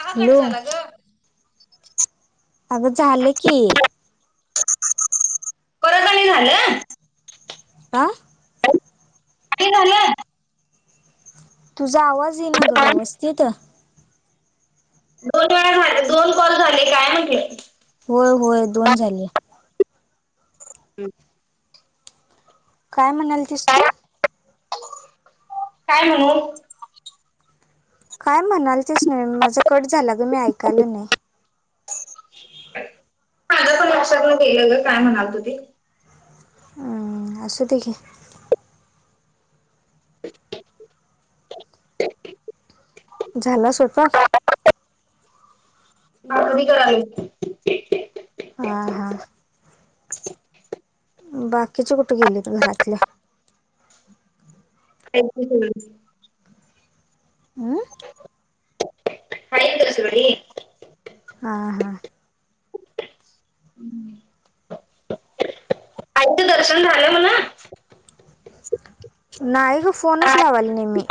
कवा कट हॅलो झाला ग अगं झालं की परत आणि झालं का आत्ति झाल तुझा आवाज येई ना ग व्यवस्थित दोन वेळा झाले दोन कॉल झाले काय म्हटल होय, होय दोन झाल काय म्हणाल तीस तू काय काय म्हणू काय म्हणाल तेस नाही माझा कट झाला ग मी ऐकायलं नाही बग एवढं काय म्हणालत ते ह असू दे घे झाला स्वयंपाक कमी करयलोय ह, हा बाकीचे कुठे गेलीत घरातले ह. ह सोनी ह, हा हम्म. आईचं दर्शन झालं म्हण नाही ग फोनच लावाला नाही मी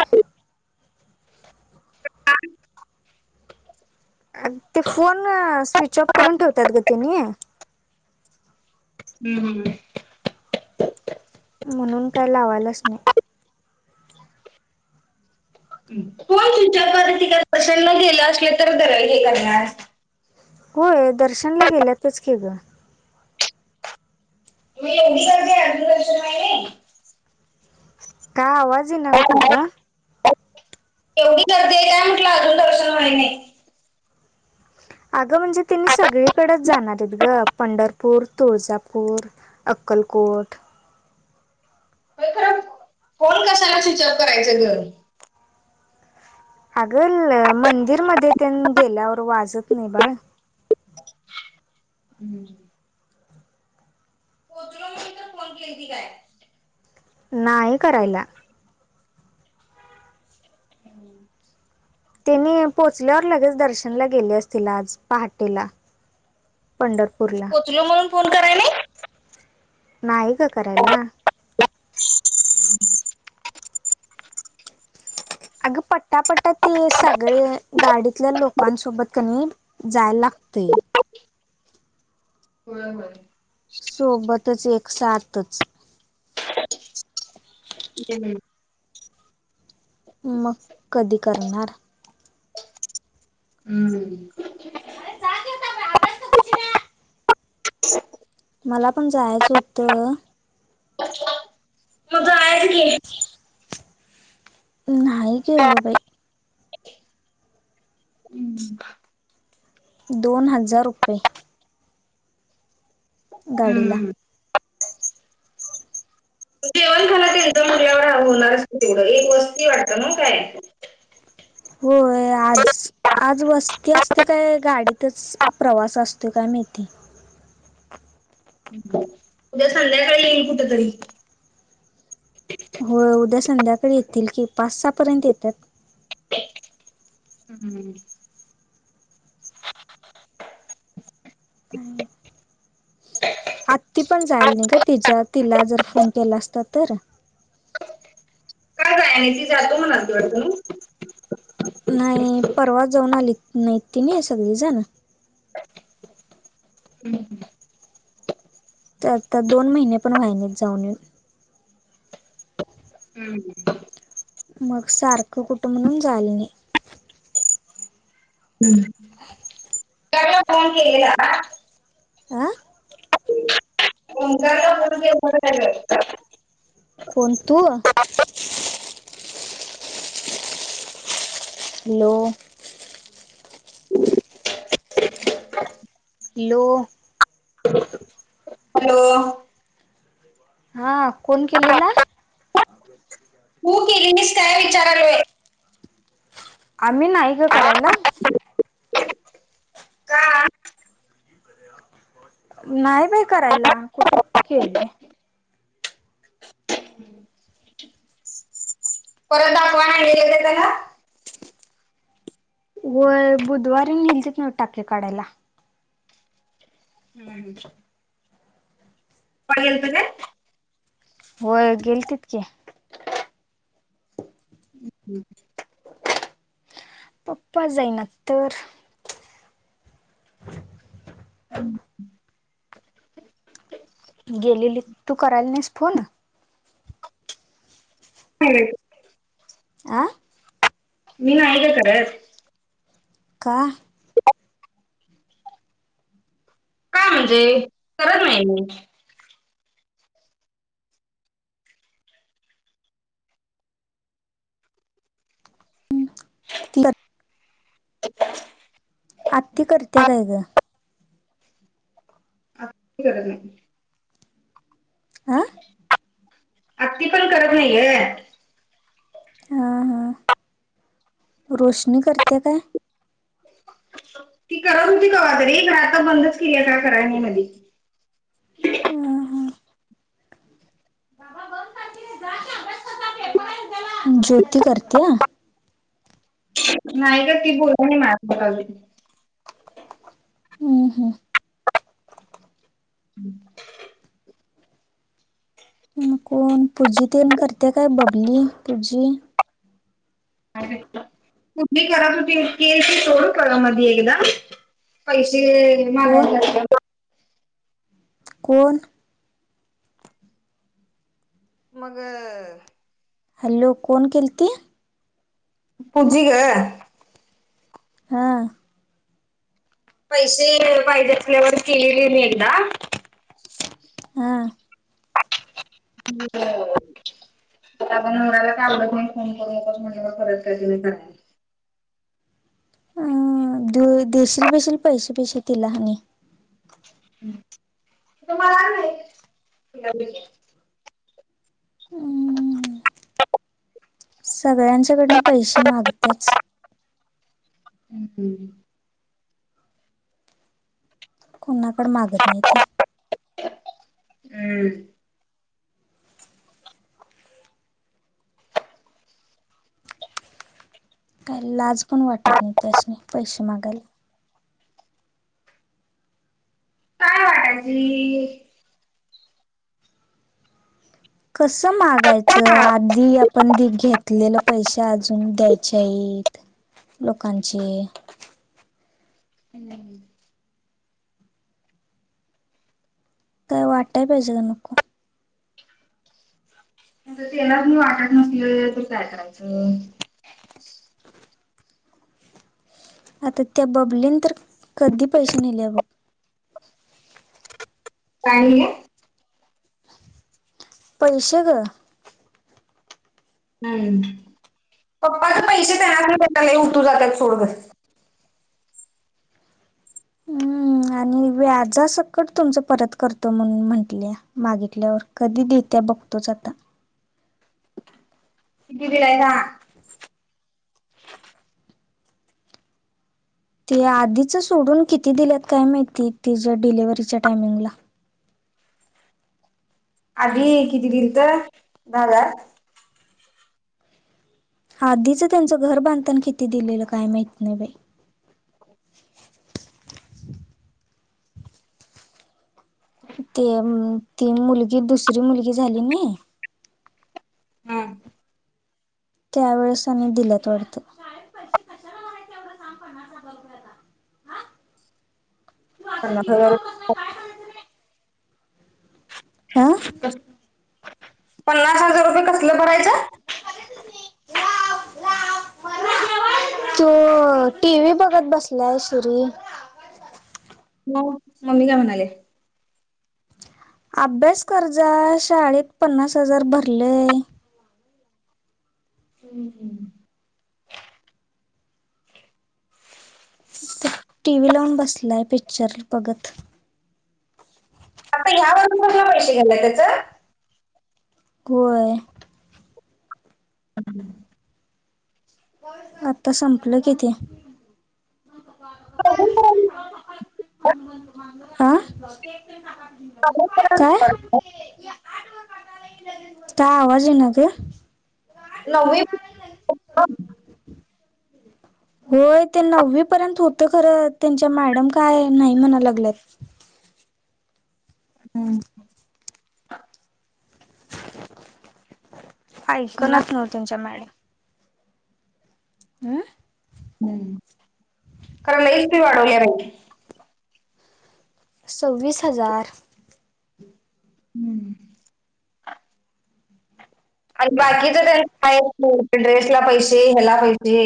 ते फोन स्विच ऑफ करून ठेवतात ग त्यानी ह, ह, ह म्हणून काय लावालच नाही फोन स्विच ऑफ प्रशनला गेलं असले तर दर हे करणार होय दर्शनला गेल्यातच की ग ओिस अिकल्न आहे. का आवाज इना नग तुझा एवढी गर्दी हाय काय म्हटलं अजून दर्शन व्हाय नाही अगं म्हणजे त्यांनी सगळीकडेच जाणार आहेत ग पंढरपूर, तुळजापूर अक्कलकोट होय खरं स्विच ऑफ करायचं ग अग ल मंदिर मध्ये तेन गेल्यावर वाजत नाही बाळ हम्म. पोचलो म्हणून तर फोन केली ती काय नाही करायला. [inaudible] त्यांनी पोहोचल्यावर लगेच दर्शनला गेले असतील, आज पहाटेला. पंढरपूरला. तु म्हणून फोन कराय नाही. नाही ग करायला. अगं पट्टा पट्टा ते सगळे गाडीतल्या लोकांसोबत कनी. जाय लागते. होय होय. सोबतच एक सातच. हम हम मग कधी करणार? हम्म. अरे जा की आता अभ्यास कर जा चिन्या. मला पण जायचं होतं. [unintelligible] मग जायचं की. नाहीई केलो बाई. हम्म [unintelligible] दोन हजार रुपये! गाडीला. हम्म. जेव [unintelligible] खाला मुवर ह होणार तेवढं एक वस्ती वाट पण काय [unintelligible] होय आज, आज वस्ती असते काय गाडीतच? प्रवास असतो का माहिती. [unintelligible] उद्या संध्याकाळी कुठ तरी. होय उद्या संध्याकाळी येतील की, पाच सहा पर्यंत येतात. हम्म. आत्ती पण जाईल नाही ग तिच्या तिला जर फोन केला असत तर. का गायनेची जातो ना [unintelligible] [inaudible] नाही परवा जाऊन आलीत नाहीत त्यांनी सगळीजण. [unintelligible] ते आत्ता दोन महिने पण वहिनेत जाऊन येउन. हम् मग सारखं कुठं म्हणून जाय नाही. हम्. ह [unintelligible] केले ना [unintelligible] आं? ओंकार न फोन [unintelligible] कोण तु? हॅलो! Low [unintelligible] hello! हा कोण केलेला? केली नाहीस काय विचारालय? आम्ही नाही ग करायला. का नाही बाय करायला, कुठं केल्या. परत दाखवाय नाही येते का त्याला? होय बुधवारी नीलतीत नव्ह टाके काढायला. [unintelligible] पाहिजेलत काय? होय गेलतीत की. हम्म. पप्पा जायना तर. गेलेलीत, तू करायला नाहीस फोन? [unintelligible] आ. मी नाही ग करत. का? का म्हणजे करत नाही मी. [unintelligible] [inaudible] आत्ती करत्या काय ग? तिकड बाई आ? अगदी पण करत नाहीये. हा हा, रोशनी करत्या काय? ती करत होती कवातरी खर आता बंदच किल्या, कवा कराय नाय मधी. अं हं. ज्योती करत्या? नाही ग ती बोलली नाही माझ्यासंग अजून. अं हं. हम्म मग कोण पुजी तेन करत्या काय? बबली, पुजी. [unintelligible] कुठली करत होती, ती सोड [unintelligible] मध्ये एकदा. पैसे कोण [unintelligible] कोण? मग हॅलो कोण केलती? पुजी ग. हा. पैसे वायदयात क्लिअर केलेली मी एकदा. आ. हो. आता आपण म्हणायला का आवडत नाही फोन करू नकोस म्हटलं, परत काळजी लय करत्या. अ देऊ देशील बेशील पैसे बिसे तिला आणि. तुम्हाला माहित. [unintelligible] सगळ्यांच्या कडनं पैसे मागत्याच. हम्म. कोणाकड मागत नाही ते. हम्म. काय लाजपण वाटत नाही त्यासनी, पैसे मागायला. काय वाटायची? कसं मागायचं, आधी आपण घेतलेलं पैसे आ अजून द्यायचे आहेत लोकांचे. [unintelligible] काय वाटाय पाहिजे काय नको. तेनासनी वाटत नसलं, तर काय करायचं. आता त्या बबलीन तर, कधी पैसे नेले बघ. काय म्हटला. पैसे गं. हम्म, पप्पांच पैसे त्याना [unintelligible] उत्तू जातत सोडं बाई. हम्म आणि व्याज संकट तुमचं परत करतो, म्हणून म्हंटले मागितल्यावर. कधी देत्या बघतोच आता. किती दिलायसा. ते आधीच सोडून किती दिल्यात, काय माहिती तिच्या डिलेव्हरीच्या टायमिंगला. आधी किती दिलंत, दहा हजार. आधीच त्यांचं घर बांधताना किती दिलेलं, काय माहित नाही बाई. ते तीन मुलगी दुसरी मुलगी झाली नी. हम्म. त्यावेेळेस आणि दिल्यात वाटत. [unintelligible] आं.. पन्नास हजार रुपये कसलं भरायचं. अ टी व्ही बघत बसलाय सुरी. मग मम्मी काय म्हणाल्या. अभ्यास कर जा, शाळेत पन्नास हजार भरलय. हम्म हम्. ‌ टीव्ही लावून बसलाय पिक्चर बघत. आता ह्या बाजूमधले पैसे गेले त्याच. होय. [unintelligible] आता संपलं की ते. आं. काय, काय आवाज येईना गं. नववी. होय, ते नववी पर्यंत होत खरं, त्यांच्या मॅडम काय नाही म्हणा लागल्यात. हम्म. ऐकनात नव्ह त्यांच्या मॅड हं.. हम्, खरं लैच फी वाढवल्या बाई. सव्वीस हजार. हम्म. आणि बाकीच त्यांना ड्रेस ला पैसे हेला पैसे.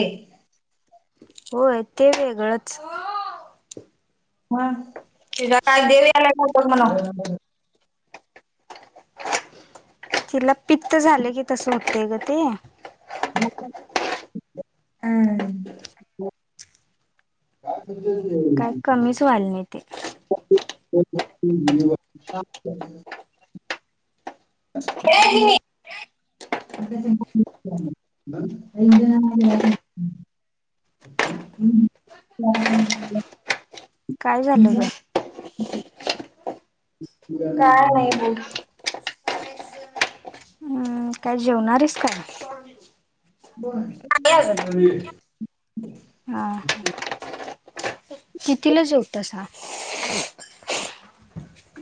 होय ते वेगळंच. हम्म, तिचा काय देव याला [unintelligible] म्हणाव. तिला पित्त झाले की, तसं होत गं ते. हम्. काय कमीच व्हायला नाही ते [unintelligible] [unintelligible] [unintelligible] [unintelligible] काय झालं ग. काय नाही बोल. हम, काय जेवणार आहेस काय. हा [unintelligible] कितीला जवतसा.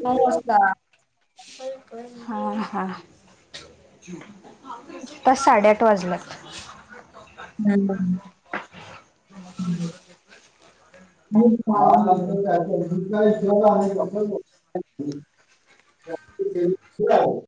नमस्कार. हा हा बस साडेआठ वाजला. ह [unintelligible] [unintelligible] [unintelligible]